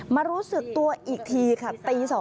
รู้สึกตัวอีกทีค่ะตี๒